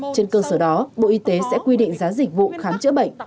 trên cơ sở đó bộ y tế sẽ quy định giá dịch vụ khám chữa bệnh